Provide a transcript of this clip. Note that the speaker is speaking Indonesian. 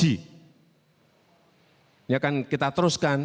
ini akan kita teruskan